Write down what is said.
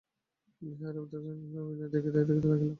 বিহারী অবরুদ্ধহাস্যে নীরবে অভিনয় দেখিতে লাগিল।